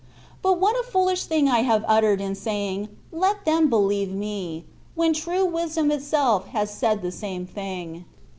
But what a foolish thing have I uttered in saying, ^^let them believe me," when true Wisdom itself has said the same thing.